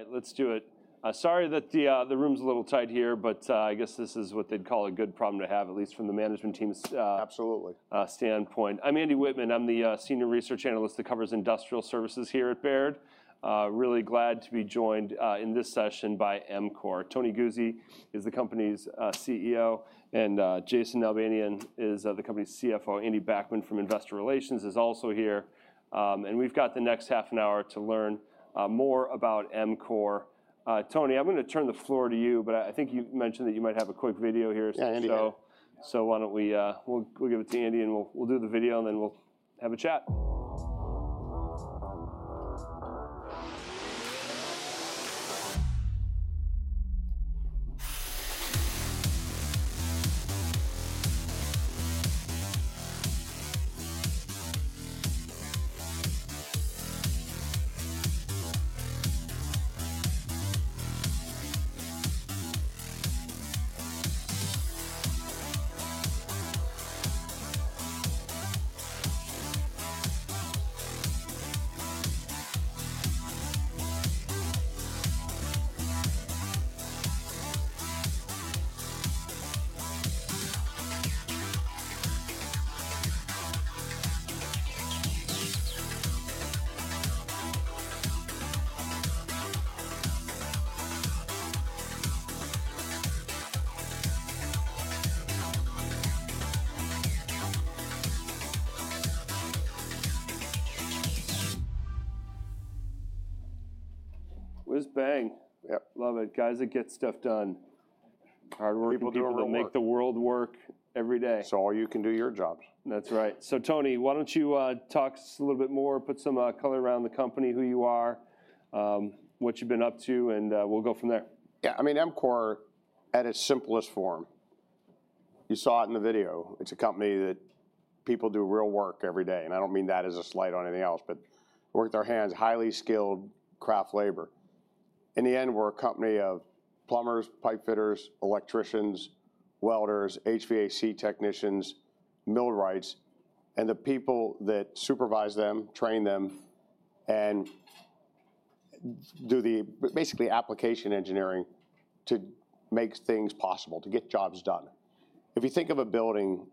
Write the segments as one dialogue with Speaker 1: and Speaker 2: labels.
Speaker 1: All right, let's do it. Sorry that the room's a little tight here, but I guess this is what they'd call a good problem to have, at least from the management team's standpoint. I'm Andy Whitman. I'm the senior research analyst that covers industrial services here at Baird. Really glad to be joined in this session by EMCOR. Tony Guzzi is the company's CEO, and Jason Nalbandian is the company's CFO. Andy Backman from Investor Relations is also here. And we've got the next half an hour to learn more about EMCOR. Tony, I'm going to turn the floor to you, but I think you mentioned that you might have a quick video here.
Speaker 2: Yeah, Andy.
Speaker 1: So why don't we, we'll give it to Andy, and we'll do the video, and then we'll have a chat.
Speaker 2: Whiz bang.
Speaker 1: Love it.
Speaker 2: Guys, it gets stuff done.
Speaker 1: Hard work people do to make the world work every day. So all you can do, your job.
Speaker 2: That's right.
Speaker 1: So, Tony, why don't you talk a little bit more, put some color around the company, who you are, what you've been up to, and we'll go from there.
Speaker 2: Yeah, I mean, EMCOR, at its simplest form, you saw it in the video. It's a company that people do real work every day. And I don't mean that as a slight on anything else, but work their hands, highly skilled craft labor. In the end, we're a company of plumbers, pipe fitters, electricians, welders, HVAC technicians, millwrights, and the people that supervise them, train them, and do the basic application engineering to make things possible, to get jobs done. If you think of a building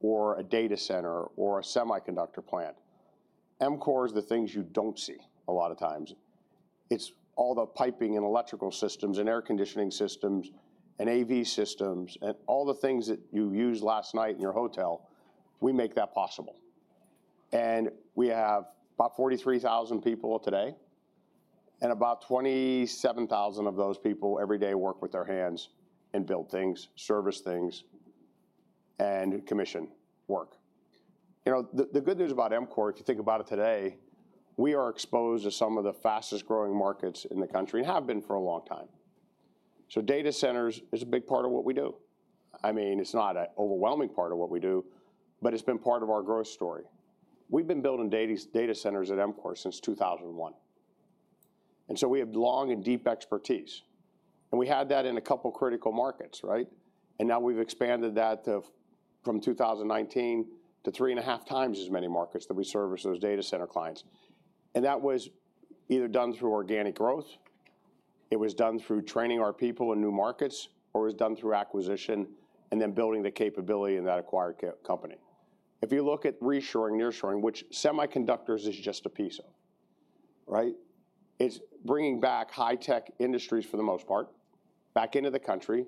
Speaker 2: or a data center or a semiconductor plant, EMCOR is the things you don't see a lot of times. It's all the piping and electrical systems and air conditioning systems and AV systems and all the things that you use last night in your hotel. We make that possible. And we have about 43,000 people today, and about 27,000 of those people every day work with their hands and build things, service things, and commission work. You know, the good news about EMCOR, if you think about it today, we are exposed to some of the fastest growing markets in the country and have been for a long time. So data centers is a big part of what we do. I mean, it's not an overwhelming part of what we do, but it's been part of our growth story. We've been building data centers at EMCOR since 2001. And so we have long and deep expertise. And we had that in a couple of critical markets, right? And now we've expanded that from 2019 to three and a half times as many markets that we service those data center clients. And that was either done through organic growth, it was done through training our people in new markets, or it was done through acquisition and then building the capability in that acquired company. If you look at reshoring, nearshoring, which semiconductors is just a piece of, right? It's bringing back high-tech industries for the most part back into the country,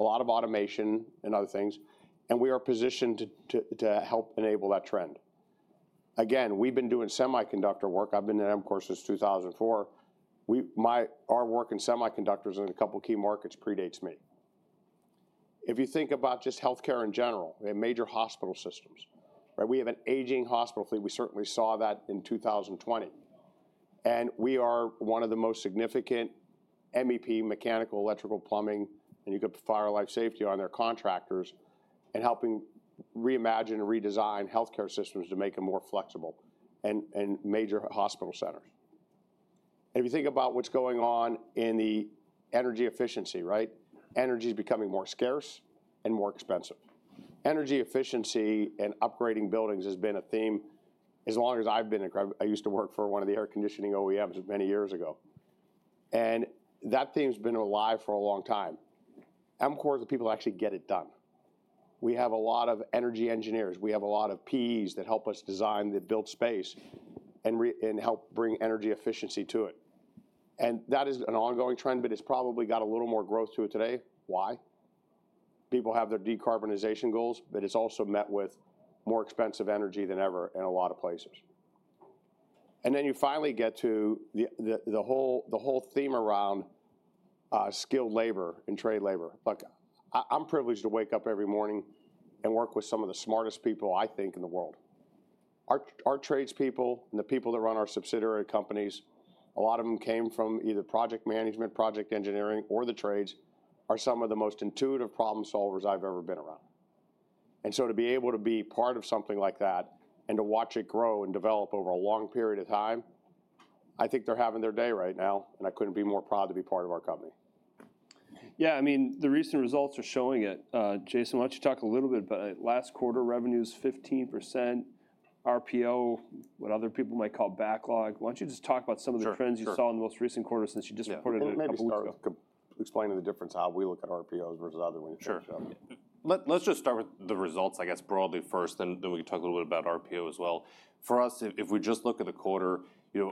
Speaker 2: a lot of automation and other things. And we are positioned to help enable that trend. Again, we've been doing semiconductor work. I've been in EMCOR since 2004. Our work in semiconductors and a couple of key markets predates me. If you think about just healthcare in general, we have major hospital systems, right? We have an aging hospital fleet. We certainly saw that in 2020. And we are one of the most significant MEP, mechanical, electrical, plumbing, and you could put fire, life, safety in there contractors and helping reimagine and redesign healthcare systems to make them more flexible, in major hospital centers. And if you think about what's going on in the energy efficiency, right? Energy is becoming more scarce and more expensive. Energy efficiency and upgrading buildings has been a theme as long as I've been in. I used to work for one of the air conditioning OEMs many years ago. And that theme has been alive for a long time. EMCOR is the people who actually get it done. We have a lot of energy engineers. We have a lot of PEs that help us design the built space and help bring energy efficiency to it. That is an ongoing trend, but it's probably got a little more growth to it today. Why? People have their decarbonization goals, but it's also met with more expensive energy than ever in a lot of places. Then you finally get to the whole theme around skilled labor and trade labor. Look, I'm privileged to wake up every morning and work with some of the smartest people I think in the world. Our tradespeople and the people that run our subsidiary companies, a lot of them came from either project management, project engineering, or the trades, are some of the most intuitive problem solvers I've ever been around. And so to be able to be part of something like that and to watch it grow and develop over a long period of time, I think they're having their day right now, and I couldn't be more proud to be part of our company.
Speaker 1: Yeah, I mean, the recent results are showing it. Jason, why don't you talk a little bit about it? Last quarter revenues 15%, RPO, what other people might call backlog. Why don't you just talk about some of the trends you saw in the most recent quarter since you just reported a couple of weeks ago?
Speaker 3: Let me start explaining the difference, how we look at RPOs versus other ones.
Speaker 1: Sure.
Speaker 3: Let's just start with the results, I guess, broadly first, and then we can talk a little bit about RPO as well. For us, if we just look at the quarter,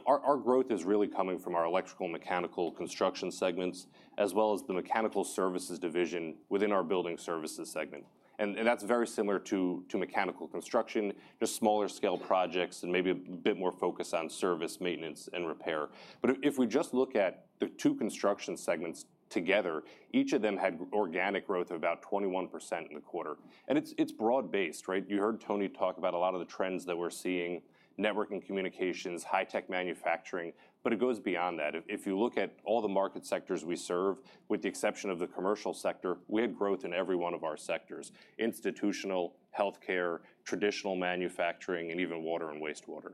Speaker 3: our growth is really coming from our electrical and mechanical construction segments, as well as the mechanical services division within our building services segment, and that's very similar to mechanical construction, just smaller scale projects and maybe a bit more focus on service, maintenance, and repair, but if we just look at the two construction segments together, each of them had organic growth of about 21% in the quarter, and it's broad-based, right? You heard Tony talk about a lot of the trends that we're seeing, networking communications, high-tech manufacturing, but it goes beyond that. If you look at all the market sectors we serve, with the exception of the commercial sector, we had growth in every one of our sectors: institutional, healthcare, traditional manufacturing, and even water and wastewater.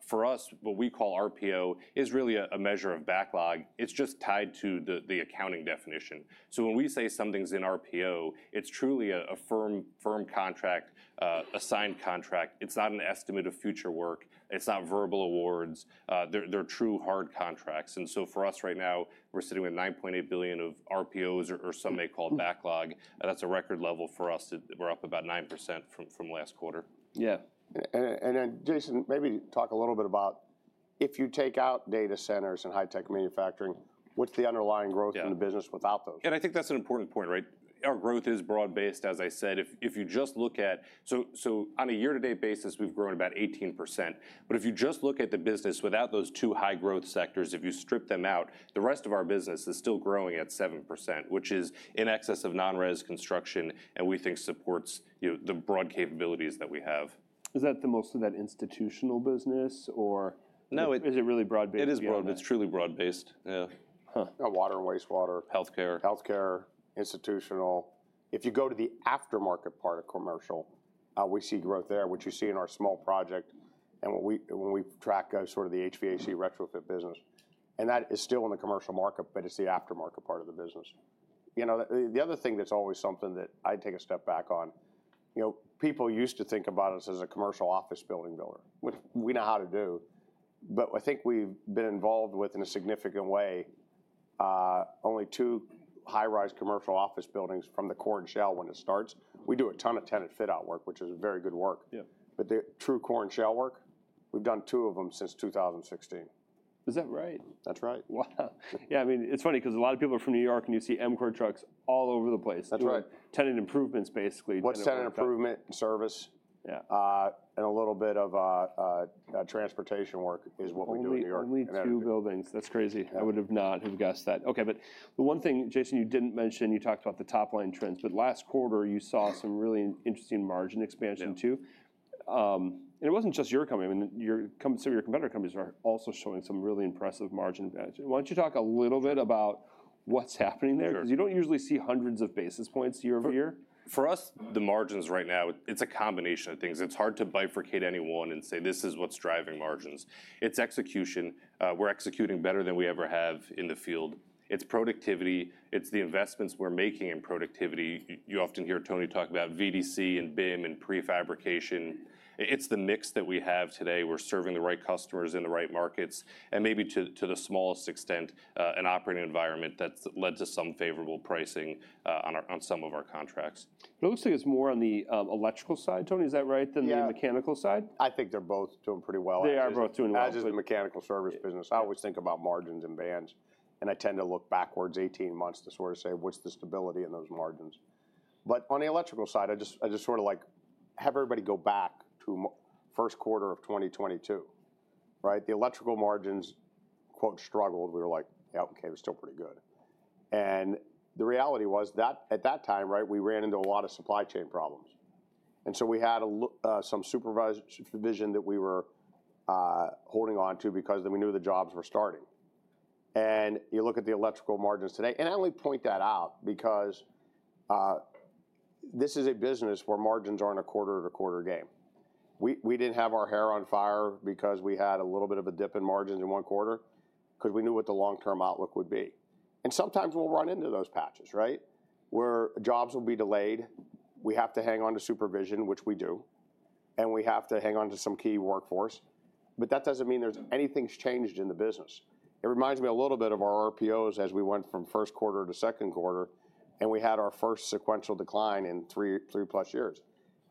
Speaker 3: For us, what we call RPO is really a measure of backlog. It's just tied to the accounting definition. So when we say something's in RPO, it's truly a firm contract, a signed contract. It's not an estimate of future work. It's not verbal awards. They're true hard contracts. And so for us right now, we're sitting with $9.8 billion of RPOs or some may call backlog. That's a record level for us. We're up about 9% from last quarter.
Speaker 1: Yeah. And then, Jason, maybe talk a little bit about if you take out data centers and high-tech manufacturing, what's the underlying growth in the business without those?
Speaker 3: Yeah, and I think that's an important point, right? Our growth is broad-based, as I said. If you just look at, so on a year-to-date basis, we've grown about 18%. But if you just look at the business without those two high-growth sectors, if you strip them out, the rest of our business is still growing at 7%, which is in excess of non-res construction, and we think supports the broad capabilities that we have.
Speaker 1: Is that mostly that institutional business, or is it really broad-based?
Speaker 3: It is broad, but it's truly broad-based. Yeah.
Speaker 2: Water and wastewater.
Speaker 3: Healthcare.
Speaker 2: Healthcare, institutional. If you go to the aftermarket part of commercial, we see growth there, which you see in our small project, and when we track sort of the HVAC retrofit business, and that is still in the commercial market, but it's the aftermarket part of the business. You know, the other thing that's always something that I'd take a step back on, people used to think about us as a commercial office building builder, which we know how to do, but I think we've been involved with, in a significant way, only two high-rise commercial office buildings from the core and shell when it starts. We do a ton of tenant fit-out work, which is very good work, but the true core and shell work, we've done two of them since 2016.
Speaker 1: Is that right?
Speaker 3: That's right.
Speaker 1: Wow. Yeah, I mean, it's funny because a lot of people are from New York, and you see EMCOR trucks all over the place.
Speaker 3: That's right.
Speaker 1: Tenant improvements, basically.
Speaker 3: What's tenant improvement? Service and a little bit of transportation work is what we do in New York.
Speaker 1: We need two buildings. That's crazy. I would not have guessed that. Okay, but the one thing, Jason, you didn't mention, you talked about the top-line trends, but last quarter you saw some really interesting margin expansion too. And it wasn't just your company. I mean, some of your competitor companies are also showing some really impressive margin expansion. Why don't you talk a little bit about what's happening there? Because you don't usually see hundreds of basis points year-over-year.
Speaker 3: For us, the margins right now, it's a combination of things. It's hard to bifurcate any one and say, "This is what's driving margins." It's execution. We're executing better than we ever have in the field. It's productivity. It's the investments we're making in productivity. You often hear Tony talk about VDC and BIM and prefabrication. It's the mix that we have today. We're serving the right customers in the right markets. And maybe to the smallest extent, an operating environment that's led to some favorable pricing on some of our contracts.
Speaker 1: But it looks like it's more on the electrical side, Tony, is that right, than the mechanical side?
Speaker 2: Yeah, I think they're both doing pretty well.
Speaker 3: They are both doing well.
Speaker 2: As with the mechanical service business, I always think about margins and bands, and I tend to look backwards 18 months to sort of say, "What's the stability in those margins?" But on the electrical side, I just sort of like have everybody go back to first quarter of 2022, right? The electrical margins, quote, "struggled." We were like, "Yeah, okay, we're still pretty good." And the reality was that at that time, right, we ran into a lot of supply chain problems. And so we had some supervision that we were holding on to because we knew the jobs were starting. And you look at the electrical margins today, and I only point that out because this is a business where margins aren't a quarter-to-quarter game. We didn't have our hair on fire because we had a little bit of a dip in margins in one quarter because we knew what the long-term outlook would be. And sometimes we'll run into those patches, right, where jobs will be delayed. We have to hang on to supervision, which we do, and we have to hang on to some key workforce. But that doesn't mean there's anything changed in the business. It reminds me a little bit of our RPOs as we went from first quarter to second quarter, and we had our first sequential decline in three-plus years.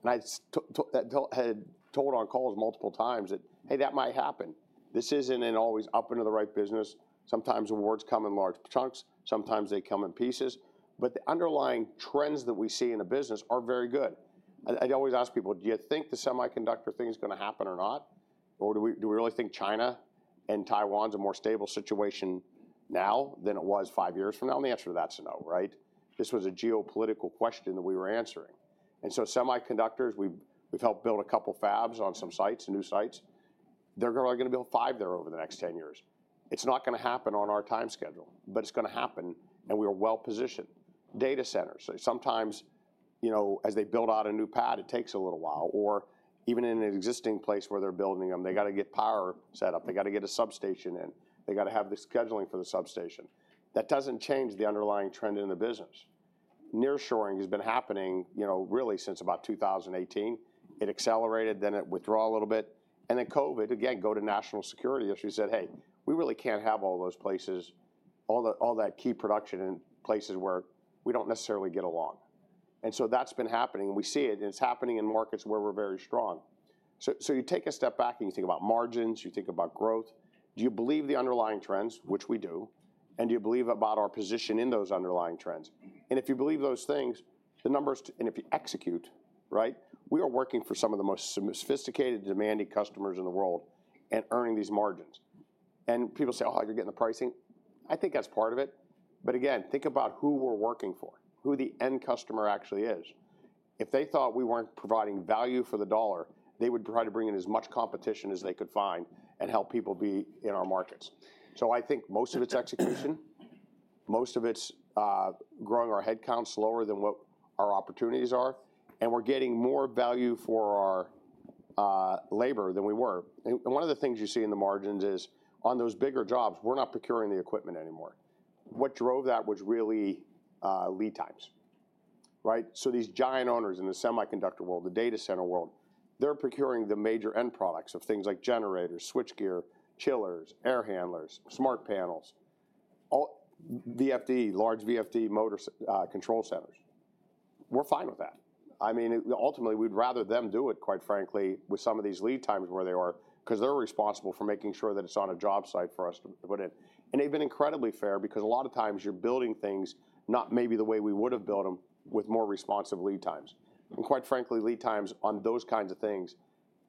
Speaker 2: And I had told on calls multiple times that, "Hey, that might happen." This isn't always up into the right business. Sometimes awards come in large chunks. Sometimes they come in pieces. But the underlying trends that we see in the business are very good. I always ask people, "Do you think the semiconductor thing is going to happen or not? Or do we really think China and Taiwan's a more stable situation now than it was five years from now?" And the answer to that's no, right? This was a geopolitical question that we were answering. And so semiconductors, we've helped build a couple of fabs on some new sites. They're going to build five there over the next 10 years. It's not going to happen on our time schedule, but it's going to happen, and we are well-positioned. Data centers. Sometimes as they build out a new pad, it takes a little while. Or even in an existing place where they're building them, they got to get power set up. They got to get a substation, and they got to have the scheduling for the substation. That doesn't change the underlying trend in the business. Nearshoring has been happening really since about 2018. It accelerated, then it withdrawn a little bit. And then COVID, again, go to national security issues that, "Hey, we really can't have all those places, all that key production in places where we don't necessarily get along." And so that's been happening. We see it, and it's happening in markets where we're very strong. So you take a step back, and you think about margins, you think about growth. Do you believe the underlying trends, which we do? And do you believe about our position in those underlying trends? And if you believe those things, the numbers, and if you execute, right, we are working for some of the most sophisticated, demanding customers in the world and earning these margins. And people say, "Oh, you're getting the pricing." I think that's part of it. But again, think about who we're working for, who the end customer actually is. If they thought we weren't providing value for the dollar, they would try to bring in as much competition as they could find and help people be in our markets. So I think most of it's execution, most of it's growing our headcount slower than what our opportunities are, and we're getting more value for our labor than we were. And one of the things you see in the margins is on those bigger jobs, we're not procuring the equipment anymore. What drove that was really lead times, right? So these giant owners in the semiconductor world, the data center world, they're procuring the major end products of things like generators, switchgear, chillers, air handlers, smart panels, VFD, large VFD motor control centers. We're fine with that. I mean, ultimately, we'd rather them do it, quite frankly, with some of these lead times where they are because they're responsible for making sure that it's on a job site for us to put in. And they've been incredibly fair because a lot of times you're building things not maybe the way we would have built them with more responsive lead times. And quite frankly, lead times on those kinds of things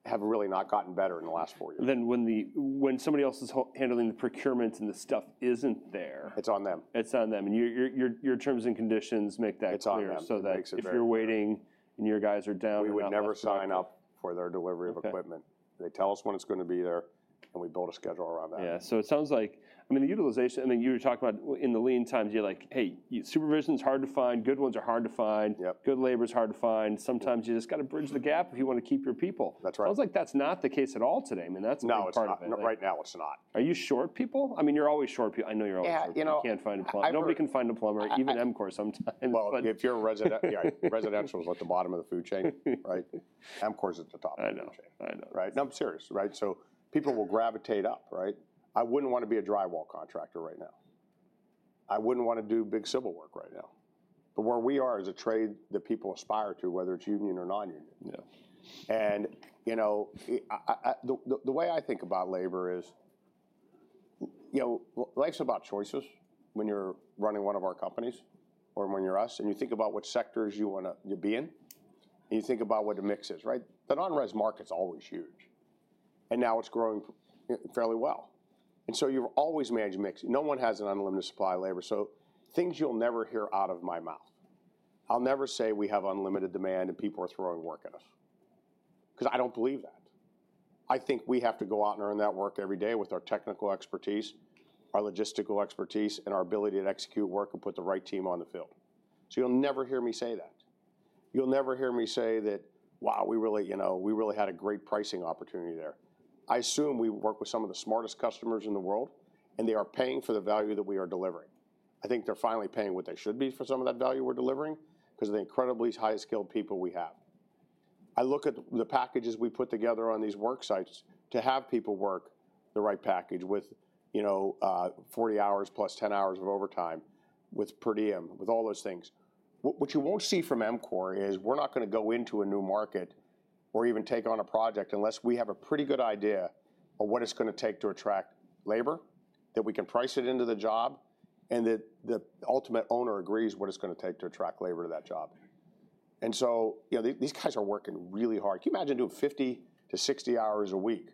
Speaker 2: have really not gotten better in the last four years.
Speaker 1: Then when somebody else is handling the procurement and the stuff isn't there.
Speaker 2: It's on them.
Speaker 1: It's on them. And your terms and conditions make that clear.
Speaker 2: It's on them.
Speaker 1: So that if you're waiting and your guys are down.
Speaker 2: We would never sign up for their delivery of equipment. They tell us when it's going to be there, and we build a schedule around that.
Speaker 1: Yeah. So it sounds like, I mean, the utilization, I mean, you were talking about in the lean times, you're like, "Hey, supervision's hard to find. Good ones are hard to find. Good labor's hard to find." Sometimes you just got to bridge the gap if you want to keep your people.
Speaker 2: That's right.
Speaker 1: Sounds like that's not the case at all today. I mean, that's a big part of it.
Speaker 2: No, right now it's not.
Speaker 1: Are you short people? I mean, you're always short people. I know you're always short people.
Speaker 2: Yeah, you know.
Speaker 1: Nobody can find a plumber. Even EMCOR sometimes.
Speaker 2: If you're residential, yeah, residential is at the bottom of the food chain, right? EMCOR's at the top of the food chain.
Speaker 1: I know.
Speaker 2: Right? No, I'm serious, right? So people will gravitate up, right? I wouldn't want to be a drywall contractor right now. I wouldn't want to do big civil work right now. But where we are is a trade that people aspire to, whether it's union or non-union. And the way I think about labor is, life's about choices when you're running one of our companies or when you're us, and you think about what sectors you want to be in, and you think about what the mix is, right? The non-res market's always huge, and now it's growing fairly well. And so you've always managed a mix. No one has an unlimited supply of labor. So things you'll never hear out of my mouth. I'll never say we have unlimited demand and people are throwing work at us because I don't believe that. I think we have to go out and earn that work every day with our technical expertise, our logistical expertise, and our ability to execute work and put the right team on the field. So you'll never hear me say that. You'll never hear me say that, "Wow, we really had a great pricing opportunity there." I assume we work with some of the smartest customers in the world, and they are paying for the value that we are delivering. I think they're finally paying what they should be for some of that value we're delivering because of the incredibly highly skilled people we have. I look at the packages we put together on these work sites to have people work the right package with 40 hours plus 10 hours of overtime with per diem, with all those things. What you won't see from EMCOR is we're not going to go into a new market or even take on a project unless we have a pretty good idea of what it's going to take to attract labor, that we can price it into the job, and that the ultimate owner agrees what it's going to take to attract labor to that job. And so these guys are working really hard. Can you imagine doing 50-60 hours a week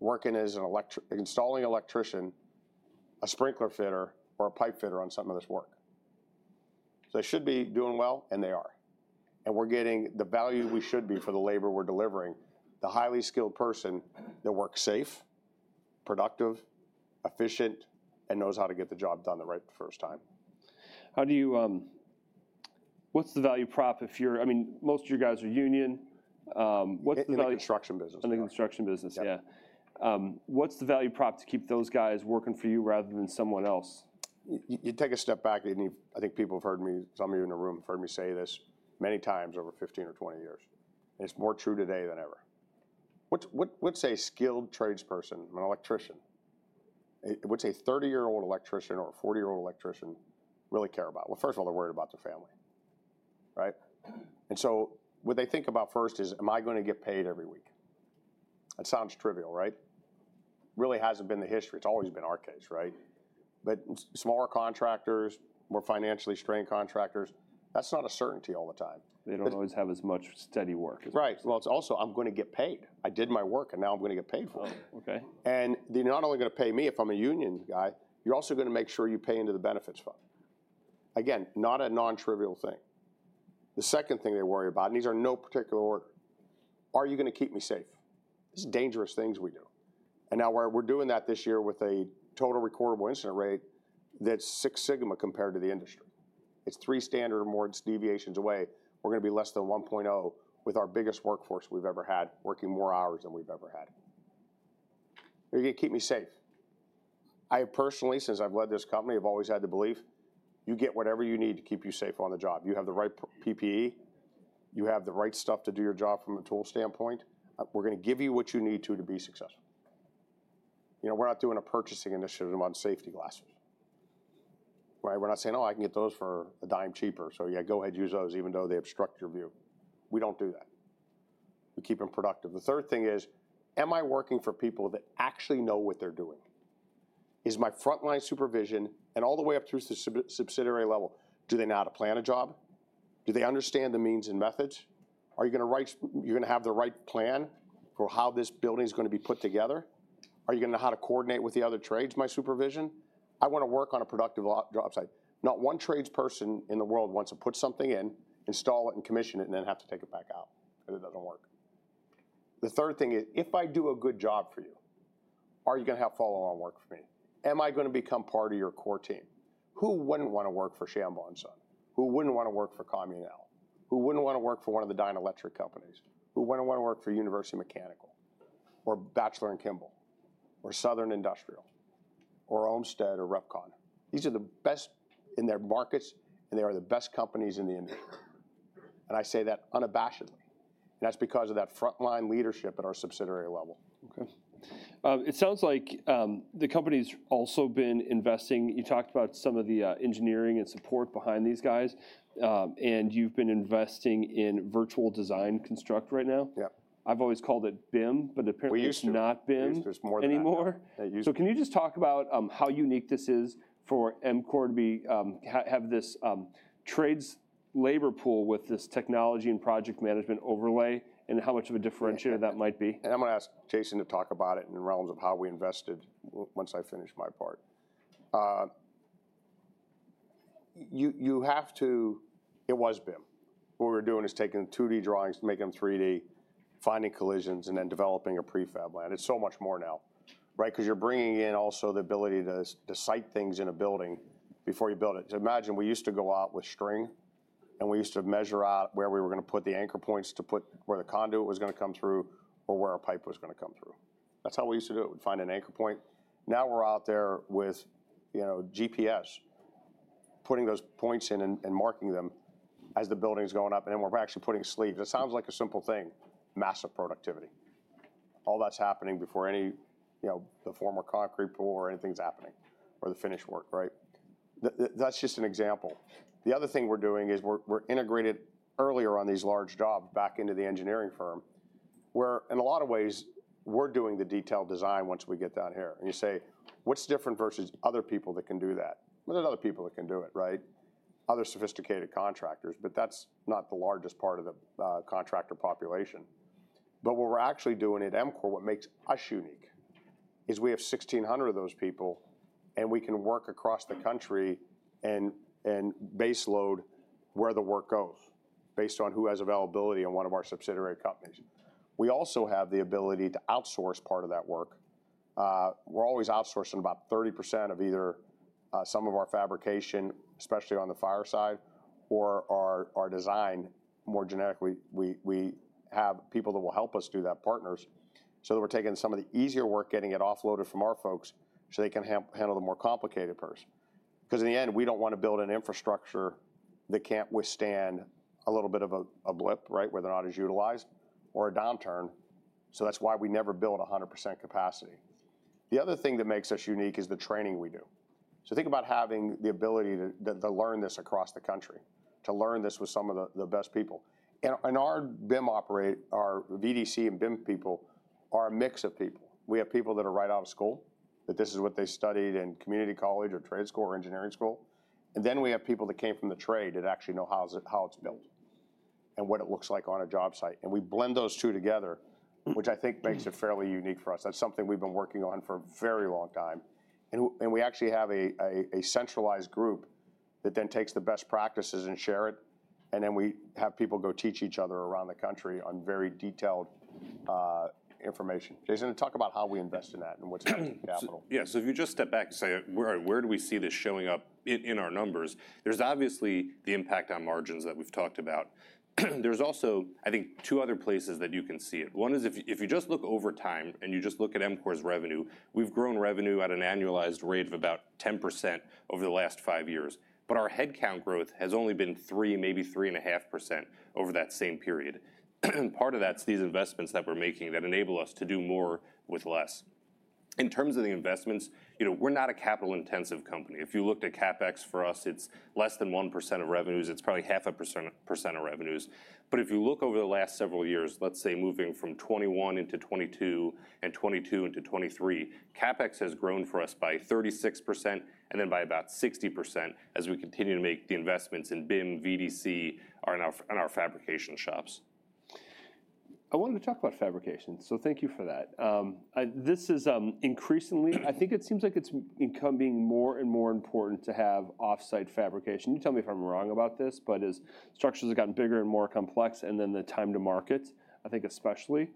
Speaker 2: working as an installing electrician, a sprinkler fitter, or a pipe fitter on some of this work? So they should be doing well, and they are. And we're getting the value we should be for the labor we're delivering, the highly skilled person that works safe, productive, efficient, and knows how to get the job done the right first time.
Speaker 1: What's the value prop if you're, I mean, most of your guys are union? What's the value?
Speaker 2: In the construction business.
Speaker 1: In the construction business, yeah. What's the value prop to keep those guys working for you rather than someone else?
Speaker 2: You take a step back, and I think people have heard me, some of you in the room have heard me say this many times over 15 or 20 years, and it's more true today than ever. What's a skilled tradesperson, an electrician, what's a 30-year-old electrician or a 40-year-old electrician really care about? Well, first of all, they're worried about their family, right? And so what they think about first is, "Am I going to get paid every week?" It sounds trivial, right? Really hasn't been the history. It's always been our case, right? But smaller contractors, more financially strained contractors, that's not a certainty all the time.
Speaker 1: They don't always have as much steady work.
Speaker 2: Right. Well, it's also, "I'm going to get paid. I did my work, and now I'm going to get paid for it." And they're not only going to pay me if I'm a union guy, you're also going to make sure you pay into the benefits fund. Again, not a non-trivial thing. The second thing they worry about, and these are no particular order, "Are you going to keep me safe?" It's dangerous things we do. And now we're doing that this year with a total recordable incident rate that's six sigma compared to the industry. It's three standard deviations away. We're going to be less than 1.0 with our biggest workforce we've ever had working more hours than we've ever had. You're going to keep me safe. I personally, since I've led this company, have always had the belief, "You get whatever you need to keep you safe on the job. You have the right PPE. You have the right stuff to do your job from a tool standpoint. We're going to give you what you need to be successful." We're not doing a purchasing initiative on safety glasses. We're not saying, "Oh, I can get those for a dime cheaper, so yeah, go ahead and use those even though they obstruct your view." We don't do that. We keep them productive. The third thing is, "Am I working for people that actually know what they're doing? Is my frontline supervision and all the way up through to the subsidiary level, do they know how to plan a job? Do they understand the means and methods? Are you going to have the right plan for how this building is going to be put together? Are you going to know how to coordinate with the other trades? My supervision?" I want to work on a productive job site. Not one tradesperson in the world wants to put something in, install it, and commission it, and then have to take it back out because it doesn't work. The third thing is, "If I do a good job for you, are you going to have follow-on work for me? Am I going to become part of your core team?" Who wouldn't want to work for Shambaugh & Son? Who wouldn't want to work for Comunale? Who wouldn't want to work for one of the Dynalectric companies? Who wouldn't want to work for University Mechanical or Batchelor & Kimball or Southern Industrial or Ohmstede or Repcon? These are the best in their markets, and they are the best companies in the industry. And I say that unabashedly. And that's because of that frontline leadership at our subsidiary level.
Speaker 1: Okay. It sounds like the company's also been investing. You talked about some of the engineering and support behind these guys, and you've been investing in virtual design construction right now.
Speaker 2: Yeah.
Speaker 1: I've always called it BIM, but apparently it's not BIM anymore.
Speaker 2: We used to.
Speaker 1: So can you just talk about how unique this is for EMCOR to have this trades labor pool with this technology and project management overlay and how much of a differentiator that might be?
Speaker 2: I'm going to ask Jason to talk about it in terms of how we invested once I finish my part. You have to. It was BIM. What we were doing is taking 2D drawings, making them 3D, finding collisions, and then developing a prefab plan. It's so much more now, right? Because you're bringing in also the ability to site things in a building before you build it. So imagine we used to go out with string, and we used to measure out where we were going to put the anchor points to put where the conduit was going to come through or where our pipe was going to come through. That's how we used to do it. We'd find an anchor point. Now we're out there with GPS, putting those points in and marking them as the building's going up, and then we're actually putting sleeves. It sounds like a simple thing. Massive productivity. All that's happening before any of the formwork concrete pour or anything's happening or the finish work, right? That's just an example. The other thing we're doing is we're integrated earlier on these large jobs back into the engineering firm where, in a lot of ways, we're doing the detailed design once we get down here. And you say, "What's different versus other people that can do that?" Well, there are other people that can do it, right? Other sophisticated contractors, but that's not the largest part of the contractor population. But what we're actually doing at EMCOR, what makes us unique, is we have 1,600 of those people, and we can work across the country and base load where the work goes based on who has availability in one of our subsidiary companies. We also have the ability to outsource part of that work. We're always outsourcing about 30% of either some of our fabrication, especially on the fire side, or our design more generically. We have people that will help us do that, partners, so that we're taking some of the easier work, getting it offloaded from our folks so they can handle the more complicated parts. Because in the end, we don't want to build an infrastructure that can't withstand a little bit of a blip, right, where they're not as utilized or a downturn. So that's why we never build 100% capacity. The other thing that makes us unique is the training we do. So think about having the ability to learn this across the country, to learn this with some of the best people. And our VDC and BIM people are a mix of people. We have people that are right out of school, that this is what they studied in community college or trade school or engineering school. And then we have people that came from the trade that actually know how it's built and what it looks like on a job site. And we blend those two together, which I think makes it fairly unique for us. That's something we've been working on for a very long time. And we actually have a centralized group that then takes the best practices and shares it, and then we have people go teach each other around the country on very detailed information. Jason, talk about how we invest in that and what's happening with capital.
Speaker 3: Yeah. So if you just step back and say, "Where do we see this showing up in our numbers?" There's obviously the impact on margins that we've talked about. There's also, I think, two other places that you can see it. One is if you just look over time and you just look at EMCOR's revenue, we've grown revenue at an annualized rate of about 10% over the last five years. But our headcount growth has only been 3, maybe 3.5% over that same period. And part of that's these investments that we're making that enable us to do more with less. In terms of the investments, we're not a capital-intensive company. If you looked at CapEx for us, it's less than 1% of revenues. It's probably 0.5% of revenues. But if you look over the last several years, let's say moving from 2021 into 2022 and 2022 into 2023, CapEx has grown for us by 36% and then by about 60% as we continue to make the investments in BIM, VDC, and our fabrication shops.
Speaker 1: I wanted to talk about fabrication, so thank you for that. This is increasingly, I think it seems like it's becoming more and more important to have off-site fabrication. You tell me if I'm wrong about this, but as structures have gotten bigger and more complex and then the time to market, I think especially,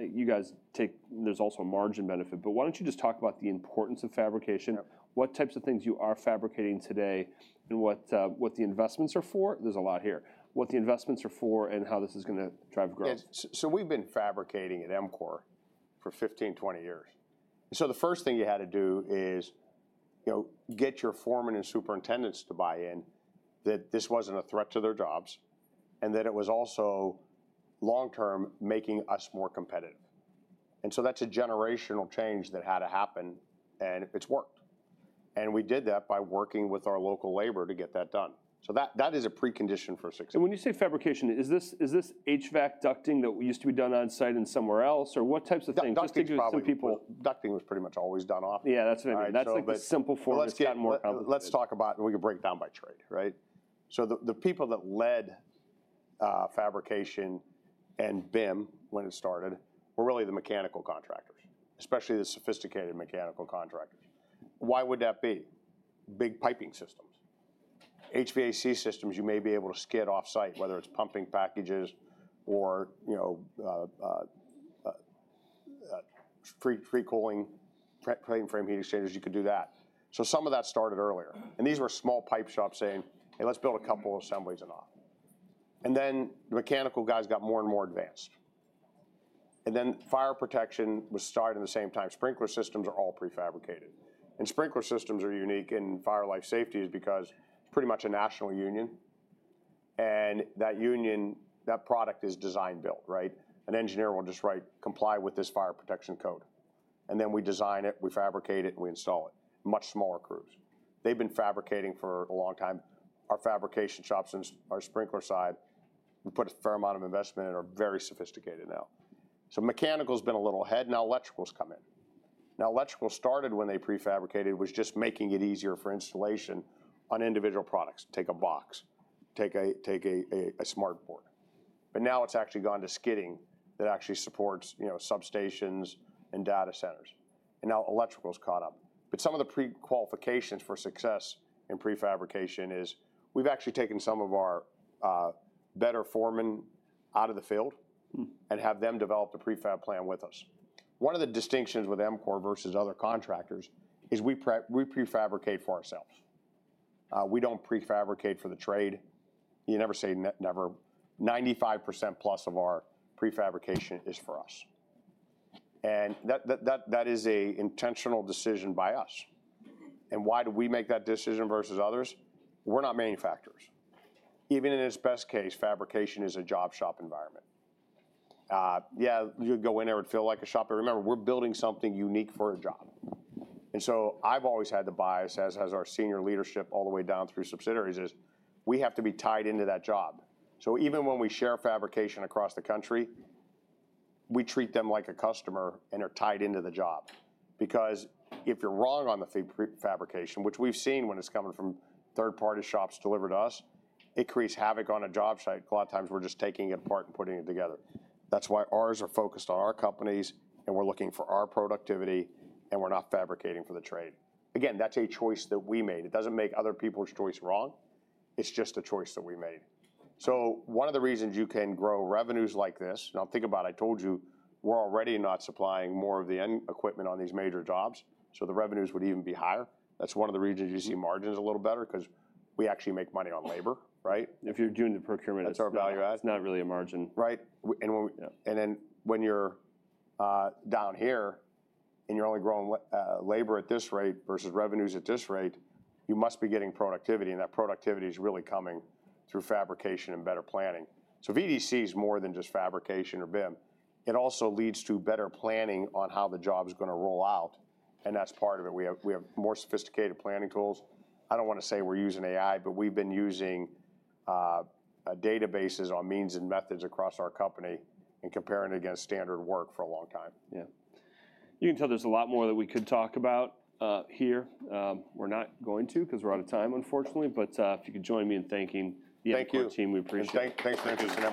Speaker 1: you guys take, there's also a margin benefit. But why don't you just talk about the importance of fabrication, what types of things you are fabricating today and what the investments are for? There's a lot here. What the investments are for and how this is going to drive growth?
Speaker 2: So we've been fabricating at EMCOR for 15-20 years. So the first thing you had to do is get your foreman and superintendents to buy in that this wasn't a threat to their jobs and that it was also long-term making us more competitive. And so that's a generational change that had to happen, and it's worked. And we did that by working with our local labor to get that done. So that is a precondition for success.
Speaker 1: When you say fabrication, is this HVAC ducting that used to be done on-site and somewhere else, or what types of things?
Speaker 2: Ducting was pretty much always done off-site.
Speaker 1: Yeah, that's simple for the.
Speaker 2: Let's talk about, we can break it down by trade, right? So the people that led fabrication and BIM when it started were really the mechanical contractors, especially the sophisticated mechanical contractors. Why would that be? Big piping systems. HVAC systems, you may be able to skid off-site, whether it's pumping packages or pre-cooling, fan coil, heat exchangers, you could do that. So some of that started earlier. And these were small pipe shops saying, "Hey, let's build a couple of assemblies and off." And then the mechanical guys got more and more advanced. And then fire protection was started at the same time. Sprinkler systems are all prefabricated. And sprinkler systems are unique in fire and life safety because it's pretty much a national union. And that union, that product is design-build, right? An engineer will just write, "Comply with this fire protection code." And then we design it, we fabricate it, and we install it. Much smaller crews. They've been fabricating for a long time. Our fabrication shops on our sprinkler side, we put a fair amount of investment in, are very sophisticated now. So mechanical has been a little ahead, and now electrical has come in. Now electrical started when they prefabricated, was just making it easier for installation on individual products. Take a box, take a switchboard. But now it's actually gone to skidding that actually supports substations and data centers. And now electrical has caught up. But some of the prequalifications for success in prefabrication is we've actually taken some of our better foremen out of the field and have them develop the prefab plan with us. One of the distinctions with EMCOR versus other contractors is we prefabricate for ourselves. We don't prefabricate for the trade. You never say never. 95% plus of our prefabrication is for us. And that is an intentional decision by us. And why do we make that decision versus others? We're not manufacturers. Even in its best case, fabrication is a job shop environment. Yeah, you'd go in there, it would feel like a shop. But remember, we're building something unique for a job. And so I've always had the bias, as has our senior leadership all the way down through subsidiaries, is we have to be tied into that job. So even when we share fabrication across the country, we treat them like a customer and are tied into the job. Because if you're wrong on the fabrication, which we've seen when it's coming from third-party shops delivered to us, it creates havoc on a job site. A lot of times we're just taking it apart and putting it together. That's why ours are focused on our companies and we're looking for our productivity and we're not fabricating for the trade. Again, that's a choice that we made. It doesn't make other people's choice wrong. It's just a choice that we made. So one of the reasons you can grow revenues like this, now think about it, I told you we're already not supplying more of the equipment on these major jobs, so the revenues would even be higher. That's one of the reasons you see margins a little better because we actually make money on labor, right?
Speaker 1: If you're doing the procurement.
Speaker 2: That's our value add.
Speaker 1: It's not really a margin.
Speaker 2: Right. And then when you're down here and you're only growing labor at this rate versus revenues at this rate, you must be getting productivity, and that productivity is really coming through fabrication and better planning. So VDC is more than just fabrication or BIM. It also leads to better planning on how the job is going to roll out, and that's part of it. We have more sophisticated planning tools. I don't want to say we're using AI, but we've been using databases on means and methods across our company and comparing it against standard work for a long time.
Speaker 1: Yeah. You can tell there's a lot more that we could talk about here. We're not going to because we're out of time, unfortunately. But if you could join me in thanking the EMCOR team, we appreciate it.
Speaker 2: Thanks.